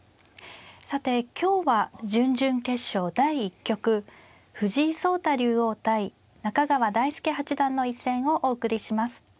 さて今日は準々決勝第１局藤井聡太竜王対中川大輔八段の一戦をお送りします。